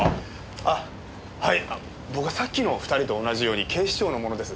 ああはい僕はさっきの２人と同じように警視庁の者です。